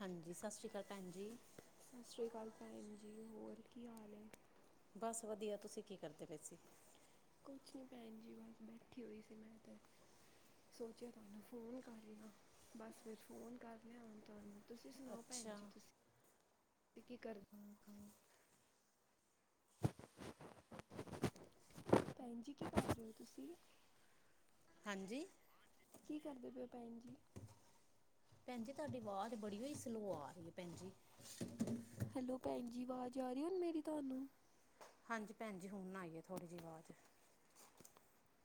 ਹਾਂਜੀ, ਸਤਿ ਸ੍ਰੀ ਅਕਾਲ ਭੈਣ ਜੀ। ਸਤਿ ਸ੍ਰੀ ਅਕਾਲ ਭੈਣ ਜੀ, ਹੋਰ ਕੀ ਹਾਲ ਐ? ਬਸ ਵਧੀਆ, ਤੁਸੀਂ ਕੀ ਕਰਦੇ ਪਏ ਸੀ? ਕੁਛ ਨੀ ਭੈਣ ਜੀ ਬਸ ਬੈਠੀ ਹੋਈ ਸੀ ਮੈਂ ਤੇ। ਸੋਚਿਆ ਤੁਹਾਨੂੰ ਫੋਨ ਕਰ ਲਾਂ। ਬਸ ਫੇਰ ਫੋਨ ਕਰ ਲਿਆ ਹੁਣ ਤੁਹਾਨੂੰ। ਤੁਸੀ ਸੁਣਾਓ ਭੈਣ ਅੱਛਾ ਜੀ ਤੁਸੀ ਕੀ ਕਰ ਭੈਣ ਜੀ ਕੀ ਕਰ ਰਹੇ ਹੋ ਤੁਸੀ? ਹਾਂਜੀ। ਕੀ ਕਰਦੇ ਪੇਓ ਭੈਨ ਜੀ। ਭੈਣ ਜੀ ਤੁਹਾਡੀ ਆਵਾਜ਼ ਬੜੀ ਓਈ ਸਲੋ ਆ ਰਹੀ ਐ ਭੈਣ ਜੀ। ਹੈਲੋ ਭੈਣ ਜੀ ਵਾਜ਼ ਆ ਰੀ ਹੁਣ ਮੇਰੀ ਤੁਹਾਨੂੰ? ਹਾਂਜੀ ਭੈਣਜੀ ਹੁਣ ਆਈਏ ਥੋੜੀ ਜਹੀ ਵਾਜ਼।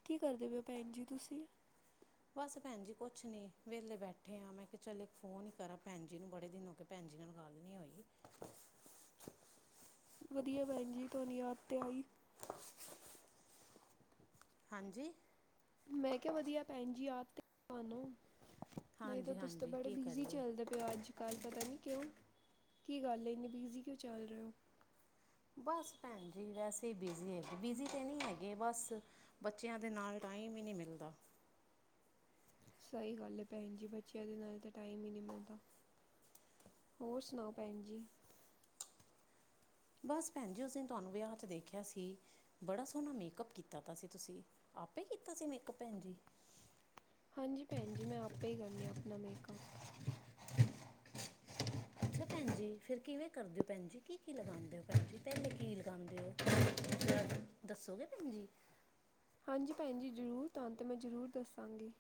ਕੀ ਕਰਦੇ ਪੇ ਓ ਭੈਣ ਜੀ ਤੁਸੀ? ਬਸ ਭੈਣ ਜੀ ਕੁਛ ਨੀ ਵੇਲੇ ਬੈਠੇ ਆਂ ਮੈਂ ਕਿਹਾ ਚੱਲ ਇੱਕ ਫੋਨ ਹੀ ਕਰਾਂ ਭੈਣ ਜੀ ਨੂੰ ਬੜੇ ਦਿਨ ਹੋ ਗੇ। ਭੈਣ ਜੀ ਨਾਲ ਗੱਲ ਨੀ ਹੋਈ। ਵਧੀਆ ਭੈਣ ਜੀ ਤੁਹਾਨ ਯਾਦ ਤੇ ਆਈ। ਹਾਂਜੀ। ਮੈਂ ਕਿਹਾ ਵਧੀਆ ਭੈਣ ਜੀ ਯਾਦ ਤੇ ਤਾਨੋ ਨਈ ਤਾਂ ਹਾਂਜੀ ਤੁਸੀ ਤਾਂ ਹਾਂਜੀ ਬੜੇ ਕੀ ਬਿਜੀ ਕਰੀਏ ਚੱਲਦੇ ਪ ਅੱਜ ਕੱਲ੍ਹ ਪਤਾ ਨਈ ਕਿਉਂ ਕੀ ਗੱਲ ਏ ਇੰਨੇ ਬਿਜ਼ੀ ਕਿਉਂ ਚੱਲ ਰਹੇ ਓ? ਬਸ ਭੈਣ ਜੀ ਵੈਸੇ ਈ ਬਿਜ਼ੀ ਹੈਗੇ। ਬਿਜ਼ੀ ਤੇ ਨੀ ਹੈਗੇ ਬਸ ਬੱਚਿਆਂ ਦੇ ਨਾਲ ਟਾਈਮ ਈ ਨੀ ਮਿਲਦਾ। ਸਹੀ ਗੱਲ ਏ ਭੈਣ ਜੀ ਬੱਚਿਆਂ ਦੇ ਨਾਲ ਤਾਂ ਟਾਈਮ ਈ ਨੀ ਮਿਲਦਾ। ਹੋਰ ਸੁਣਾਓ ਭੈਣ ਜੀ। ਬਸ ਭੈਣ ਜੀ ਉਸ ਦਿਨ ਤੁਹਾਨੂੰ ਵਿਆਹ ਚ ਦੇਖਿਆ ਸੀ। ਬੜਾ ਸੋਹਣਾ ਮੇਕਅੱਪ ਕੀਤਾ ਦਾ ਸੀ ਤੁਸੀਂ ਆਪੇ ਕੀਤਾ ਸੀ ਮੇਕਅੱਪ ਭੈਣ ਜੀ? ਹਾਂਜੀ ਭੈਣ ਜੀ ਮੈਂ ਆਪੇ ਈ ਕਰਨੀ ਆ ਅਪਣਾ ਮੇਕਅੱਪ। [inaudible] [inaudible] ਜੀ ਫਿਰ ਕਿਵੇਂ ਕਰਦੇ ਓ ਭੈਣ ਜੀ? ਕੀ ਕੀ ਲਗਾਂਦੇ ਓ ਭੈਣ ਜੀ? ਪਹਿਲੇ ਕੀ ਲਗਾਉਂਦੇ ਓ? ਦੱਸੋਗੇ ਭੈਣ ਜੀ? ਹਾਂਜੀ ਭੈਣ ਜੀ ਜ਼ਰੂਰ ਤੁਹਾਨੂੰ ਤਾਂ ਮੈਂ ਜ਼ਰੂਰ ਦੱਸਾਂਗੀ?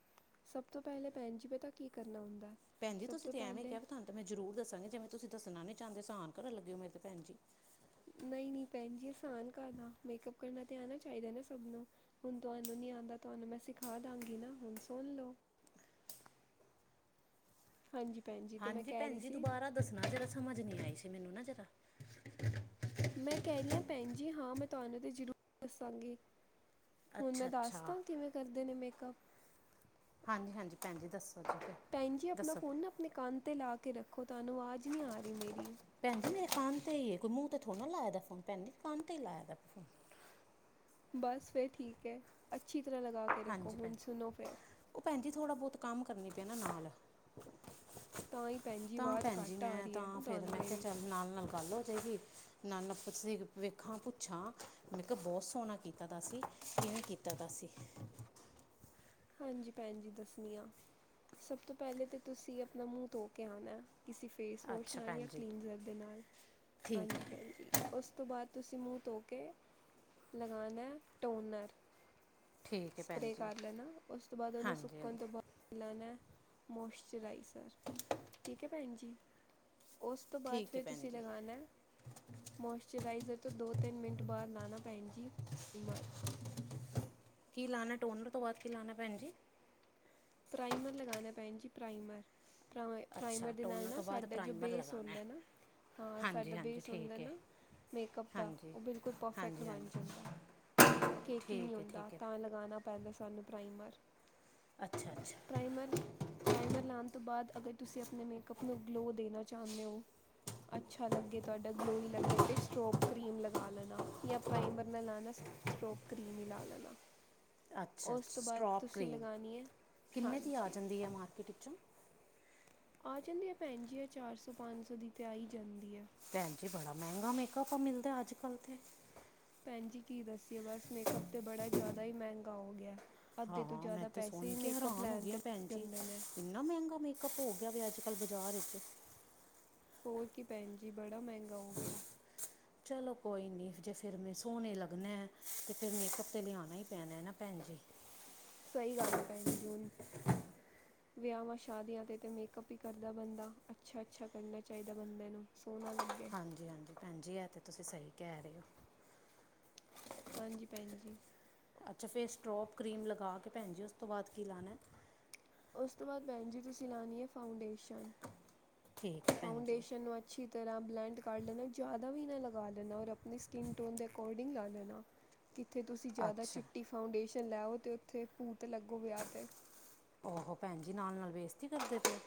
ਸਭ ਤੋਂ ਪਹਿਲੇ ਭੈਣ ਜੀ ਪਿਤਾ ਕੀ ਕਰਨਾ ਹੁੰਦਾ। ਭੈਣ ਜ ਸਭ ਤੁਸੀਂ ਤੋਂ ਤੇ ਐਵੇਂ ਪਹਿਲੇ ਕਿਹਾ ਤੁਹਾਨੂੰ ਮੈਂ ਜ਼ਰੂਰ ਦੱਸਾਂਗੀ ਜਿਵੇ ਤੁਸੀਂ ਦੱਸਣਾ ਨੀ ਚਾਹਦੇ ਆਾਨ ਕਰਨ ਲਗੇ ਹੋ ਮੇਰੇ ਤੇ ਭੈਣ ਜੀ? ਨਹੀਂ ਨਹੀਂ ਭੈਣ ਜੀ ਆਸਾਨ ਕਰ ਆ ਮੇਕਅਪ ਕਰਨਾ ਤੇ ਆਣਾ ਚਾਹੀਦਾ ਨਾ ਸਭ ਨੂੰ। ਹੁਣ ਤੁਹਾਨੂੰ ਨੀ ਆਉਂਦਾ ਤੁਹਾਨੂੰ ਮੈਂ ਸਿਖਾ ਦਾਂਗੀ ਨਾ ਹੁਣ ਸੁਣ ਲੋ। ਹਾਂਜੀ ਭੈਣ ਜੀ। ਤੇ ਮੈਂ ਹਾਂਜੀ ਕਹਿ ਭੈਣ ਰਹੀ ਜੀ ਸੀ ਦੁਬਾਰਾ ਦੱਸਣਾ ਜਰਾ ਸਮਝ ਨਹੀਂ ਆਈ ਸੀ ਮੈਨੂੰ ਨਾ ਜਰਾ। ਮੈਂ ਕਹਿ ਰਹੀ ਹਾਂ ਭੈਣ ਜੀ ਹਾਂ ਮੈਂ ਤੁਹਾਨੂੰ ਤੇ ਜ਼ਰੂਰ ਦੱਸਾਂਗੀ। ਹੁਣ ਮੈਂ ਅੱਛਾ ਦੱਸਦਾ ਅੱਛਾ ਕਿਵੇਂ ਕਰਦੇ ਨੇ ਮੇਕਅਪ? ਹਾਂਜੀ ਹਾਂਜੀ ਭੈਣ ਜੀ ਦੱਸੋ ਜੀ। ਭੈਣ ਜੀ ਆਪਣਾ ਦੱਸੋ ਫੋਨ ਨਾ ਆਪਣੇ ਕੰਧ ਤੇ ਲਾ ਕੇ ਰੱਖੋ ਤੁਹਾਨੂੰ ਆਵਾਜ਼ ਨੀ ਆ ਰਹੀ ਮੇਰੀ। ਭੈਣ ਮੇਰੇ ਕੰਨ ਤੇ ਹੀ ਮੂੰਹ ਤੇ ਥੋੜ੍ਹਾ ਲਾਇ ਫੋਨ ਤੇ ਕੰਨ ਤੇ ਲਾਇਆ। ਬਸ ਫਿਰ ਠੀਕ ਐ ਅੱਛੀ ਤਰ੍ਹਾਂ ਲਗਾ ਕੇ ਰੱਖੋ ਹਾਂਜੀ ਹੁਣ ਭੈਣ ਸੁਣੋ ਫਿਰ। ਉਹ ਭੈਣ ਜੀ ਥੋੜਾ ਬਹੁਤ ਕੰਮ ਕਰਨੀ ਪੈਣਾ। ਤਾਂ ਹੀ ਭੈਣ ਜੀ ਤਾਂ ਆਵਾਜ਼ ਭੈਣ ਜੀ ਘੱਟ ਆ ਮੈਂ ਰਹੀ ਹੈ ਤਾਂ ਫੇਰ ਤੁਹਾਨੂੰ ਮੈਂ ਕਿਹਾ ਮੇਰੀ ਚੱਲ ਨਾਲ ਨਾਲ ਗੱਲ ਹੋ ਜਾਏਗੀ। ਨਾਲ ਵੇਖਾਂ ਪੁੱਛਾਂ ਮੈਂ ਕਿਹਾ ਬਹੁਤ ਸੋਹਣਾ ਕੀਤਾ ਤਾ ਸੀ ਕਿਵੇਂ ਕੀਤਾ। ਕੀਤਾ ਦਾ ਸੀ। ਹਾਂਜੀ ਭੈਣ ਜੀ ਦੱਸਣੀ ਆ। ਸਭ ਤੋਂ ਪਹਿਲੇ ਤੇ ਤੁਸੀਂ ਅਪਣਾ ਮੂੰਹ ਧੋ ਕੇ ਆਣਾ ਐ ਕਿਸੀ ਫੇਸਵੋਸ਼ ਅੱਛਾ ਨਾਲ ਭੈਣ ਜਾਂ ਜੀ ਕਲੀਨਜ਼ਰ ਦੇ ਨਾਲ। ਠੀਕ ਹਾਂਜੀ ਹੈ ਭੈਣ ਜੀ। ਓਸ ਤੋਂ ਬਾਅਦ ਤੁਸੀ ਮੂੰਹ ਧੋ ਕੇ ਲਗਾਣਾ ਐ ਟੋਨਰ। ਠੀਕ ਏ ਭੈਣ ਜੀ। ਓਸ ਤੋਂ ਬਾਅਦ ਓਹਨੂੰ ਹਾਂਜੀ ਸੁੱਕਣ ਹਾਂਜੀ ਤੋਂ ਬਾਅਦ ਲਾਣਾ ਐ ਮੋਇਸਚਰਾਈਜ਼ਰ ਠੀਕ ਐ। ਭੈਣਜੀ ਓਸ ਤੋਂ ਬਾਦ ਠੀਕ ਹੈ ਫੇਰ ਭੈਣ ਤੁਸੀ ਜੀ ਲਗਾਣਾ ਐ ਮੋਇਸਚਰਾਈਜ਼ਰ ਤੋਂ ਦੋ ਤਿੰਨ ਮਿੰਟ ਬਾਅਦ ਲਾਣਾ ਭੈਣ ਜੀ ਜੀਮਰ [unintelligible] ਕੀ ਲਾਣਾ ਟੋਨਰ ਤੋਂ ਬਾਅਦ ਕੀ ਲਾਣਾ ਭੈਣ ਜੀ। ਪ੍ਰਾਈਮਰ ਲਗਾਣਾ ਭੈਣ ਜੀ ਪ੍ਰਾਈਮਰ। ਅੱਛਾ ਪ੍ਰਾਈਮਰ ਦੇ ਨਾਲ ਟੋਨਰ ਨਾ ਤੋਂ ਬਾਅਦ ਸਾਡਾ ਜੋ ਪ੍ਰਾਈਮਰ ਬੇਸ ਲਗਾਉਣਾ ਹੈ ਹੁੰਦਾ ਨਾ। ਹਾਂ ਹਾਂਜੀ ਸਾਡ ਹਾਂਜੀ ਬੇਸ ਹੁੰਦਾ ਠੀਕ ਹੈ ਨਾ। ਮੇਕਅਪ ਦਾ ਹਾਂਜੀ ਉਹ ਬਿਲਕੁਲ ਪਰਫੈਕਟ ਹਾਂਜੀ ਬਣ ਹਾਂਜੀ ਜਾਂਦਾ ਕੇਕੀ ਨੀ ਠੀਕ ਹੈ ਹੁੰਦਾ ਠੀਕ ਹੈ ਤਾਂ, ਲਗਾਣਾ ਪੈਂਦਾ ਸਾਨੂੰ ਪ੍ਰਾਈਮਰ। ਅੱਛਾ ਅੱਛਾ, ਪ੍ਰਾਈਮਰ ਪ੍ਰਾਈਮਰ ਲਾਣ ਤੋਂ ਬਾਅਦ ਅਗਰ ਤੁਸੀਂ ਆਪਣੇ ਮੇਕਅਪ ਨੂੰ ਗਲੋਅ ਦੇਣਾ ਚਾਹੁੰਦੇ ਹੋ। ਅੱਛਾ ਲੱਗੇ ਤੁਹਾਡਾ ਗਲੋਈ ਲੱਗੇ ਅਤੇ ਸਟਰੋਪ ਕਰੀਮ ਲਗਾ ਲੈਣਾ ਜਾਂ ਪ੍ਰਾਈਮਰ ਨਾਲ ਲਗਾਣ। ਸ੍ਟੌਕਰੀ ਮਿਲਾ ਲੈਣਾ। ਅੱਛਾ-ਅੱਛਾ, ਉਸ ਤੋਂ ਬਾਅਦ ਤੁਸੀਂ ਸਟ੍ਰੋਕਰੀ, ਲਗਾਉਣੀ ਹੈ ਕਿੰਨੇ ਦੀ ਆ ਹਾਂਜੀ ਜਾਂਦੀ ਹੈ, ਮਾਰਕੀਟ ਵਿੱਚੋਂ? ਆ ਜਾਂਦੀ ਆ ਭੈਣਜੀ, ਓ ਚਾਰਸੋ-ਪੰਜਸੋ ਦੀ ਤਾਂ ਆਈ ਜਾਂਦੀ ਹੈ। ਭੈਣ ਜੀ, ਬੜਾ ਮਹਿੰਗਾ ਮੇਕਅੱਪ ਮਿਲਦਾ ਆਜ-ਕੱਲ ਤੇ। ਭੈਣ ਜੀ ਕੀ ਦਸੀਏ, ਬਸ ਮੇਕਅੱਪ ਤੇ ਬੜਾ ਜ਼ਿਆਦਾ ਹੀ ਮਹਿੰਗਾ ਹੋਗਿਆ। ਅੱਧੇ ਤੋਂ ਹਾਂ ਮੈਂ ਜਿਆਦਾ ਤੇ ਪੈਸੇ ਸੁਣ ਹੀ, ਕੇ ਮੇਕਅਪ ਹੈਰਾਨ ਹੋ ਲੈਣ ਗਈ ਤੇ ਹਾਂ ਭੈਣ ਲਗ ਜੀ ਜਾਂਦੇ ਨੇ। ਇੰਨਾ ਮਹਿੰਗਾ ਮੇਕਅੱਪ ਹੋਗਿਆ, ਵੀ ਅੱਜ-ਕੱਲ ਬਜ਼ਾਰ ਵਿੱਚ। ਹੋਰ ਕੀ‌ ਭੈਣ ਜੀ, ਬੜਾ ਮਹਿੰਗਾ ਹੋਗਿਆ। ਚਲੋ ਕੋਈ ਨਹੀਂ, ਜੇ ਫਿਰ ਮੈਂ ਸੋਣੇ ਲੱਗਣੈ, ਤੇ ਫਿਰ ਮੇਕਅੱਪ ਲਿਆਣਾ ਹੀ ਪੈਣਾ ਨਾ ਭੈਣ ਜੀ। ਸਹੀ ਗੱਲ ਹੈ, ਭੈਣ ਜੀ। ਵਿਆਵਾਂ-ਸ਼ਾਦੀਆਂ ਤੇ ਤੇ ਮੇਕਅੱਪ ਹੀ ਕਰਦਾ ਬੰਦਾ, ਅੱਛਾ-ਅੱਛਾ ਕਰਨਾ ਚਾਹੀਦਾ ਬੰਦੇ ਨੂੰ ਸੋਹਣਾ ਲੱਗ ਹਾਂਜੀ-ਹਾਂਜੀ ਭੈਣਜੀ, ਐ ਤੇ ਤੁਸੀਂ ਸਹੀ ਕਹਿ ਰਹੇ ਹੋ। ਹਾਂਜੀ ਭੈਣ ਜੀ। ਅੱਛਾ ਫਿਰ, ਸਟ੍ਰੌਪ ਕ੍ਰੀਮ ਲਗਾਕੇ ਭੈਣ ਜੀ, ਉਸ ਤੋਂ ਬਾਅਦ ਕੀ ਲਾਣਾ। ਉਸ ਤੋਂ ਬਾਅਦ ਭੈਣ ਜੀ ਤੁਸੀ ਲਾਣੀ ਏ, ਫਾਉਂਡੇਸ਼ਨ, ਠੀਕ ਹੈ ਭੈਣ ਜੀ ਫਾਉਂਡੇਸ਼ਨ ਔਰ ਅਛੀ ਤਰ੍ਹਾਂ ਬਲੈਂਡ ਕਰ ਲੈਣਾ, ਜ਼ਿਆਦਾ ਵੀ ਨਾ ਲਗਾ ਲੈਣਾ, ਔਰ ਆਪਨੇ ਸ੍ਕੀਨ ਟੋਨ ਦੇ ਅਕੋਰਡਿੰਗ ਲਾ ਲੈਣਾ। ਕਿਥੇ ਤੁਸੀ ਜ਼ਿਆਦਾ ਅੱਛਾ ਚਿੱਟੀ ਫਾਉਂਡੇਸ਼ਨ ਲੈ ਆਓ, ਤੇ ਉਥੇ ਭੂਤ ਲੱਗੋ ਵਿਆਹ ਤੇ। ਉਹੋ ਭੈਣ ਜੀ, ਨਾਲ-ਨਾਲ ਬੇਸਤੀ ਕਰਦੇ ਪਏ।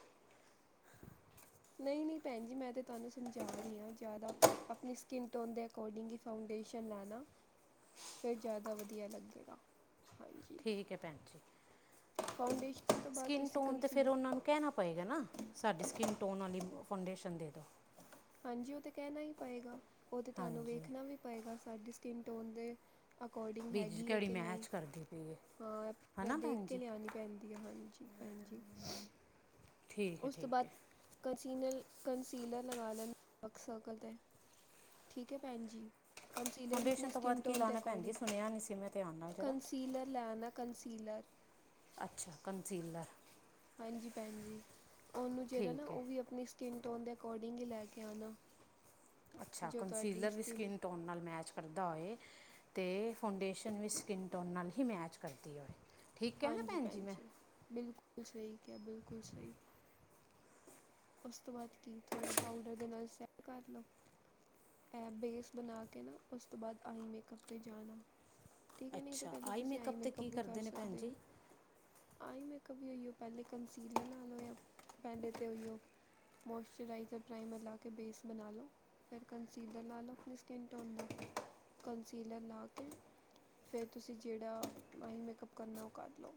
ਨਹੀ-ਨਹੀ ਭੈਣ ਜੀ, ਮੈ ਤਾ ਤੁਹਾਨੂੰ ਸਮਝਾ ਰਹੀ ਆਂ, ਜ਼ਿਆਦਾ ਅਪਣੀ ਸ੍ਕਿਨ ਟੋਨ ਦੇ ਅਕੋਰਡਿੰਗ ਈ ਫਾਉਂਡੇਸ਼ਨ ਲਾਣਾ, ਫਿਰ ਜ਼ਿਆਦਾ ਵਧੀਆ ਲੱਗੇਗਾ। ਹਾਂਜੀ। ਠੀਕ ਹੈ, ਭੈਣ ਜੀ। ਫਾਉਂਡੇ ਸਕਿ੍ਨ ਟੋਨ ਤੇ ਫਿਰ ਉਹਨਾਂ ਨੂੰ ਕਹਿਣਾ ਪਏਗਾ ਨਾ, ਸਾਡੀ ਸਕਿਨ ਟੋਨ ਵਾਲੀ ਫਾਉਂਡੇਸ਼ਨ ਦੇਦੋ। ਹਾਂਜੀ, ਉਹ ਤੇ ਕਹਿਣਾ ਹੀ ਪਏਗਾ। ਉਹ ਤਾਂ ਤੁਹਾਨੂੰ ਹਾਂਜੀ ਵੇਖਣਾ ਵੀ ਪਏਗਾ, ਸਾਡੀ ਸਕਿ੍ਨ ਟੋਨ ਦੇ ਅਕੋਰਡੀਂਗ ਵੀ ਜੀ ਹੈਗੀ ਹੈ, ਕਿਹੜੀ ਕਿ ਨਹੀ, ਮੈਚ ਕਰਦੀ ਪਈ ਹੈ ਹਾਂ ਪੂਰਾ ਹਨਾ ਭੈਣ ਦੇਖਕੇ ਜੀ ਲਿਆਣੀ ਪੈਂਦੀ ਏ, ਹਾਂਜੀ ਭੈਣਜੀ, ਠੀਕ ਹੈ ਉਸ ਤੋਂ ਠੀਕ ਬਾਅਦ ਹੈ ਕੰਸੀਨਲ- ਕੰਸੀਲਰ ਲਗਾ ਲੈਣ ਡਕ ਸਰਕਲ 'ਤੇ ਠੀਕ ਏ, ਭੈਣ ਜੀ। ਕੰਸੀਲਰ ਦੀ ਫਾਊਂਡੇਸ਼ਨ ਆਪਣੀ ਤੋਂ ਸਕਿ੍ਨ ਬਾਅਦ ਕੀ ਟੋਨ ਦੇ ਲਾਉਣਾ ਭੈਣ ਜੀ ਅਕੌਰਡੀਂਗ, ਸੁਣਿਆ ਨਹੀਂ ਸੀ ਮੈਂ ਧਿਆਨ ਨਾਲ ਜਰਾ ਕੰਸੀਲਰ ਲਿਆਣਾ ਕੰਨਸੀਲਰ ਅਛਾ, ਕੰਨਸੀਲਰ। ਹਾਂਜੀ ਭੈਣ ਜੀ, ਉਹਨੂੰ ਜਿਹੜਾ ਨਾ, ਠੀਕ ਹੈ ਉਹ ਵੀ ਆਪਣੀ ਸ੍ਕਿਨ ਟੋਨ ਦੇ ਅਕੌਰਡੀਂਗ ਹੀ ਲੈਕੇ ਆਣਾ ਅਛਾ, ਕੰਸੀਲਰ ਵੀ ਸਕਿਨ ਸ੍ਕਿਨ ਟੋਨ ਨਾਲ ਮੈਚ ਕਰਦਾ ਹੋਏ, ਤੇ ਫਾਉਂਡੇਸ਼ਨ ਵੀ ਸ੍ਕਿਨ ਟੋਨ ਨਾਲ ਹੀ ਮੈਚ ਕਰਦੀ ਹੋਵੇ। ਹਾਂਜੀ ਭੈਣ ਜੀ, ਬਿਲਕੁਲ ਸਹੀ ਕਿਆ, ਬਿਲਕੁਲ ਸਹੀ। ਉਸ ਤੋਂ ਬਾਅਦ ਕੀ, ਥੋੜ੍ਹਾ ਪਾਊਡਰ ਦੇ ਨਾਲ ਸੈਟ ਕਰਲੋ। ਇਹ ਬੇਸ ਬਣਾਕੇ ਨਾ, ਉਸ ਤੋਂ ਬਾਅਦ ਆਈ ਮੇਕਅਪ ਤੇ ਜਾਣਾ। ਠੀਕ ਹੈ, ਨਹੀਂ ਤਾਂ ਅੱਛਾ ਪਹਿਲੇ ਤੁਸੀਂ ਆਈ ਮੇਕਅਪ ਤੇ ਮੇਕਅੱਪ ਕੀ ਵੀ ਕਰ ਕਰਦੇ ਨੇ ਭੈਣ ਸਕਦੇ ਹੋ। ਜੀ ਆਈ ਮੈਕਅਪ ਵੀ ਓਹੀਓ ਪਹਿਲੇ ਕੰਸੀਲਰ ਨਾਲ ਹੋਇਆ, ਪਹਿਲੇ ਤਾਂ ਓਈਓ। ਮੌਇਸ਼ਚਰਾਈਜ਼ਰ, ਪ੍ਰਾਈਮਰ ਲਾਕੇ ਬੇਸ ਬਣਾਲੋ। ਫਿਰ ਕੰਸੀਲਰ ਲਾਲੋ ਆਪਣੀ ਸਕਿੰਨ ਟੋਨ ਦਾ, ਕੰਸੀਲਰ ਲਾਕੇ ਫਿਰ ਤੁਸੀ ਜਿਹੜਾ, ਆਈ ਮੇਕਅੱਪ ਕਰਨਾ ਉਹ ਕਰਲੋ।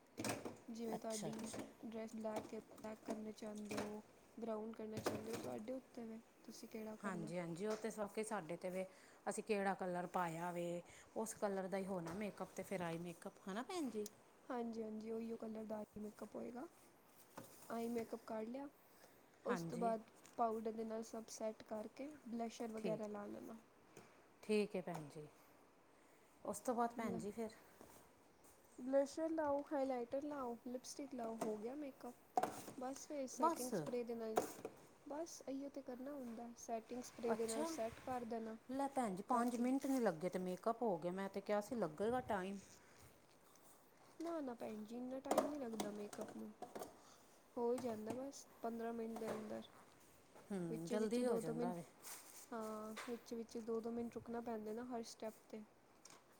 ਜਿਵੇਂ ਅੱਛਾ ਤੁਹਾਡੀ ਅੱਛਾ ਡਰੈੱਸ ਬਲੈਕ ਏ, ਬਲੈਕ ਕਰਨਾ ਚਾਹੁੰਦੇ ਹੋ। ਬ੍ਰਾਊਨ ਕਰਨਾ ਚਾਹੁੰਦੇ ਹੋ, ਤੁਹਾਡੇ ਉੱਤੇ ਵੇ। ਤੁਸੀਂ ਕਿਹੜਾ ਕਰਨਾ ਹਾਂਜੀ-ਹਾਂਜੀ ਉਹ ਤਾਂ ਸਬਕਿ ਸਾਡੇ 'ਤੇ ਵੇ, ਅਸੀਂ ਕਿਹੜਾ ਕਲਰ ਪਾਇਆ ਵੇ ਉਸ ਕਲਰ ਦਾ ਹੀ ਹੋਣਾ ਮੇਕਅਪ। ਤੇ ਫਿਰ, ਆਈ ਮੇਕਅਪ, ਹਨਾ ਭੈਣ ਜੀ? ਹਾਂਜੀ-ਹਾਂਜੀ ਉਹੀਓ ਕਲਰ ਦਾ ਆਈ ਮੇਕਅਪ ਹੋਇਗਾ, ਆਈ ਮੇਕਅਪ ਕਰ ਲਿਆ ਉਸ ਤੋਂ ਹਾਂਜੀ ਬਾਅਦ, ਪਾਊਡਰ ਦੇ ਨਾਲ ਸਭ ਸੈੱਟ ਕਰਕੇ ਬਲਸ਼ਰ ਠੀਕ ਵਗੈਰਾ ਲਾ ਲੈਣਾ। ਠੀਕ ਏ ਭੈਣ ਜੀ, ਉਸ ਤੋਂ ਬਾਅਦ ਭੈਣ ਬਲ ਜੀ, ਫਿਰ? ਬਲਸ਼ਰ ਲਾਓ, ਹਾਈਲਾਈਟਰ ਲਾਓ, ਲਿਪਸਟਿਕ ਲਾਓ ਹੋਗਿਆ ਮੇਕਅਪ। ਬਸ ਫਿਰ ਸੈਟਿੰਗ ਬਸ ਸਪ੍ਰੇ ਦੇ ਨਾਲ ਬਸ, ਐਹੀਓ ਤੇ ਕਰਨਾ ਹੁੰਦਾ, ਸੈਟਿੰਗ ਸਪਰੇ ਦੇ ਨਾਲ ਅਛਾ ਸੈੱਟ ਕਰ ਦੇਣਾ ਲੈ ਭੈਣ ਜੀ ਤਾਂ ਪੰਜ ਕਿ ਮਿੰਟ ਨੀ ਲੱਗੇ ਤੇ ਮੇ ਪਰ ਹੋ ਗਿਆ ਮੈ ਤੇ ਕਿਹਾ ਸੀ ਲੱਗੇਗਾ ਟਾਈਮ ਨਾ ਨਾ ਭੈਣ ਜੀ ਇਨਾ ਟਾਈਮ ਨੀ ਲੱਗਦਾ ਮੇਕਅਪ ਨੂੰ ਹੋ ਹੀ ਜਾਂਦਾ ਬਸ ਪੰਦਰਾਂ ਮਿੰਟ ਦੇ ਅੰਦਰ ਹੂੰ ਵਿਚ ਵਿਚ ਜਲਦੀ ਹੋ ਦੋ ਦੋ ਜਾਂਦਾ ਮਿੰਟ ਵੇ ਹਾਂ ਵਿਚ ਵਿਚ ਦੋ ਦੋ ਮਿੰਟ ਰੁਕਣਾ ਪੈਂਦੇ ਨਾ ਹਰ ਸਟੈਪ ਤੇ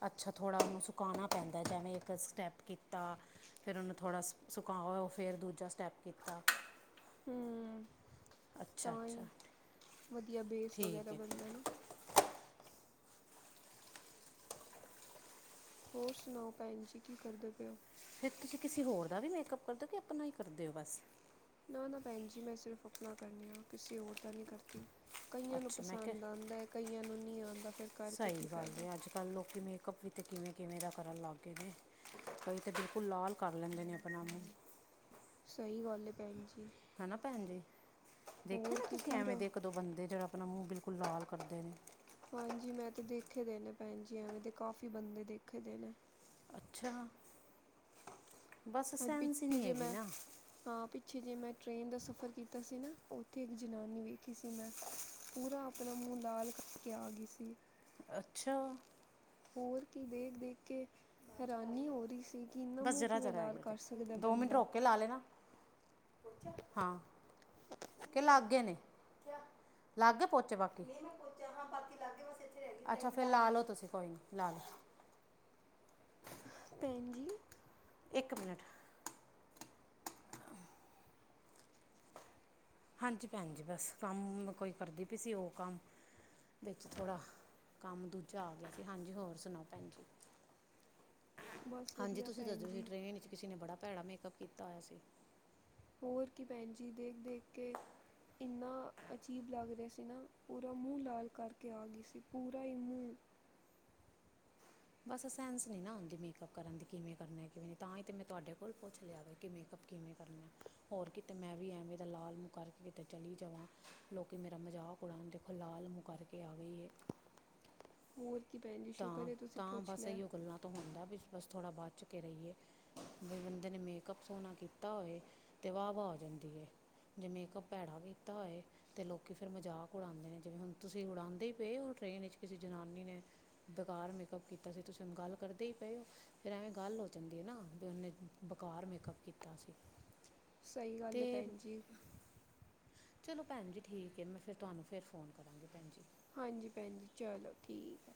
ਅਛਾ ਥੋੜ੍ਹਾ ਉਹਨੂੰ ਸੁਕਾਉਣਾ ਪੈਂਦਾ ਜਿਵੇ ਇਕ ਸਟੈਪ ਕੀਤਾ। ਫਿਰ ਉਹਨੂੰ ਥੋੜ੍ਹਾ ਸੁਕਾਓ ਫਿਰ ਦੂਜਾ ਸਟੈਪ ਕੀਤਾ। ਹੂੰ ਅਛਾ ਤਾਂ ਅਛਾ ਹੀ ਵਧੀਆ ਬੇਸ ਠੀਕ ਵਗੈਰਾ ਹੈ। ਬਣਦਾ ਨਾ ਹੋਰ ਸੁਣਾਓ ਭੈਣ ਜੀ ਕੀ ਕਰਦੇ ਪਏ ਹੋ। ਫਿਰ ਤੁਸੀਂ ਕਿਸੇ ਹੋਰ ਦਾ ਵੀ ਮੇਕਅਪ ਕਰਦੇਓ ਕਿ ਆਪਣਾ ਹੀ ਕਰਦੇ ਹੋ ਬਸ। ਨਾ ਨਾ ਭੈਣ ਜੀ ਮੈ ਸਿਰਫ ਆਪਣਾ ਕਰਦੀ ਆ ਕਿਸੇ ਹੋਰ ਦਾ ਨਹੀ ਕਰਦੀ। ਕਈਆਂ ਨੂੰ ਅੱਛਾ ਮੈਂ ਪਸੰਦ ਕਿਹਾ ਆਂਦੈ ਹੈ। ਕਈਆਂ ਨੂੰ ਨਹੀ ਆਉਦਾ ਫਿਰ ਕਰਕੇ ਕੀ ਸਹੀ ਗੱਲ ਫਾਇਦਾ ਹੈ। ਅਜ ਕਲ ਲੋਕੀ ਮੇਕਅੱਪ ਵਿਚ ਕਿਵੇ ਕਿਵੇ ਦਾ ਕਰਨ ਲੱਗ ਗਏ ਨੇ। ਕਈ ਤੇ ਬਿਲਕੁਲ ਲਾਲ ਕਰ ਲੈਦੇ ਨੇ ਆਪਣਾ ਮੂੰਹ। ਸਹੀ ਗੱਲ ਹੈ ਭੈਣ ਜੀ। ਹੈਨਾ ਭੈਣ ਜੀ ਦੇਖੋ ਹੋਰ ਨੇ ਕੀ ਤੁਸੀਂ ਐਵੇਂ ਪੂਰਾ ਦੇਖ ਇਕ ਦੋ ਬੰਦੇ ਜਿਹੜਾ ਆਪਣਾ ਮੂੰਹ ਬਿਲਕੁਲ ਲਾਲ ਕਰਦੇ ਨੇ। ਹਾਂਜੀ ਮੈਂ ਤੇ ਦੇਖੇ ਦੇ ਨੇ ਭੈਣ ਜੀ ਐਵੇਂ ਦੇ ਕਾਫ਼ੀ ਬੰਦੇ ਦੇਖੇ ਦੇ ਨੇ। ਅੱਛਾ ਬਸ ਅੱਜ ਸੈਂਸ ਹੀ ਪਿੱਛੇ ਨਹੀਂ ਜੇ ਹੈਗੀ ਮੈਂ ਨਾ। ਹਾਂ ਪਿੱਛੇ ਜੇ ਮੈਂ ਟ੍ਰੇਨ ਦਾ ਸਫ਼ਰ ਕੀਤਾ ਸੀ ਨਾ ਉੱਥੇ ਇੱਕ ਜਨਾਨੀ ਵੇਖੀ ਸੀ ਮੈਂ। ਪੂਰਾ ਆਪਣਾ ਮੂੰਹ ਲਾਲ ਕਰਕੇ ਆ ਗਈ ਸੀ। ਅੱਛਾ। ਹੋਰ ਕੀ ਦੇਖ ਦੇਖ ਕੇ ਹੈਰਾਨੀ ਹੋ ਰਹੀ ਸੀ। ਕਿ ਇੰਨਾ ਬਸ ਮੂੰਹ ਜਰਾ ਕਿਵੇਂ ਜਰਾ ਲਾਲ ਹੈਗੇ ਕਰ ਸਕਦਾ ਦੋ ਮਿੰਟ ਬੰਦਾ ਰੋਕ ਕੇ ਲਾ ਲੈਣਾ ਹਾਂ। ਕਿ ਲਾਗੇ ਨੇ ਲਾਗੇ ਪੋਚੇ ਬਾਕੀ। ਅੱਛਾ ਫ ਫ਼ੇਰ ਲਾ ਲੋ ਤੁਸੀਂ ਕੋਈ ਨੀ ਲਾ ਲੋ। ਪੈਨ ਜੀ। ਇੱਕ ਮਿੰਟ ਹਾਂਜੀ ਭੈਣ ਜੀ ਬਸ ਕੰਮ ਕੋਈ ਕਰਦੀ ਪਈ ਸੀ ਉਹ ਕੰਮ ਵਿੱਚ ਥੋੜਾ ਕੰਮ ਦੂਜਾ ਆ ਗਿਆ ਸੀ ਹਾਂਜੀ ਹੋਰ ਸੁਣਾਓ ਭੈਣਜੀ। [inaudible] ਹਾਂਜੀ ਵਧੀਆ ਤੁਸੀਂ ਭੈਣ ਦੱਸਓ ਸੀ ਜੀ ਟ੍ਰਰੇਨ ਚ ਕਿਸੇ ਨੇ ਬੜਾ ਭੈੜਾ ਮੇਕਅਪ ਕੀਤਾ ਹੋਇਆ ਸੀ। ਹੋਰ ਕੀ ਭੈਣ ਜੀ ਦੇਖ ਦੇਖ ਕੇ ਇਨਾ ਅਜੀਬ ਲੱਗ ਰਿਹਾ ਸੀ ਨਾ ਪੂਰਾ ਮੂੰਹ ਲਾਲ ਕਰਕੇ ਆ ਗਈ ਸੀ ਪੂਰਾ ਹੀ ਮੂੰਹ। ਬਸ ਸੈਂਸ ਨਹੀ ਨਾ ਆਉਦੀ ਮੇਕਅਪ ਕਰਨ ਦੀ ਕਿਵੇ ਕਰਨਾ ਕਿਵੇ ਨ ਤਾਂ ਹੀ ਤਾਂ ਮੈਂ ਤੁਹਾਡੇ ਕੋਲ ਪੁੱਛ ਲਿਆਵੇ। ਕਿ ਮੇਕਅੱਪ ਕਿਵੇ ਕਰਨਾ ਆ। ਹੋਰ ਕਿਤੇ ਮੈ ਵੀ ਐਵੇ ਦਾ ਲਾਲ ਮੂੰਹ ਕਰਕੇ ਕਿਤੇ ਚਲੀ ਜਾਵਾਂ ਲੋਕੀ ਮੇਰਾ ਮਜ਼ਾਕ। ਅਪਣਾ ਦੇਖੋ ਲਾਲ ਮੂੰਹ ਕਰਕੇ ਆ ਗਈਏ। ਹੋਰ ਕੀ ਪੈਂਜੀ। ਤਾਂ ਤਾਂ ਬਸ ਐਹੀਓ ਗੱਲਾਂ ਤੋਂ ਹੁੰਦਾ ਵੀ ਬਸ ਥੋੜ੍ਹਾ ਬਚ ਕੇ ਰਹੀਏ ਫ਼ਿਰ ਬੰਦੇ ਨੇ ਮੇਕਅਪ ਸੋਹਣਾ ਕੀਤਾ ਹੋਏ ਤੇ ਵਾਹ ਵਾਹ ਹੋ ਜਾਂਦੀ ਹੈ ਜੇ ਮੇਕਅੱਪ ਭੈੜਾ ਕੀਤਾ ਹੋਏ। ਤੇ ਲੋਕੀ ਫੇਿਰ ਮਜ਼ਾਕ ਉਡਾਉਂਦੇ ਨੇ ਜਿਵੇਂ ਹੁਣ ਤੁਸੀਂ ਉਡਾਉਂਦੇ ਹੀ ਪਏ ਹੋ ਟ੍ਰੇਨ ਵਿੱਚ ਕਿਸੇ ਜਨਾਨੀ ਨੇ। ਬੇਕਾਰ ਮੇਕਅੱਪ ਕੀਤਾ ਸੀ ਤੁਸੀਂ ਹੁਨ ਗੱਲ ਕਰਦੇ ਹੀ ਪਏ ਹੋ। ਫੇਿਰ ਐਵੇਂ ਗੱਲ ਹੋ ਜਾਂਦੀ ਹੈ ਨਾ ਵੀ ਉਹਨੇ ਬੇਕਾਰ ਮੇਕਅੱਪ ਕੀਤਾ ਸੀ। ਸਹੀ ਗੱਲ ਹੈ ਅਤੇ ਭੈਣ ਜੀ। ਚਲੋ ਭੈਣ ਜੀ ਠੀਕ ਹੈ ਮੈਂ ਫਿਰ ਤੁਹਾਨੂੰ ਫਿਰ ਫੋਨ ਕਰਾਂਗੀ ਭੈਣ ਜੀ। ਹਾਂਜੀ ਭੈਣ ਜੀ ਚਲੋ ਠੀਕ ਹੈ।